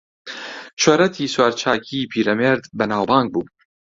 شۆرەتی سوارچاکیی پیرەمێرد بەناوبانگ بوو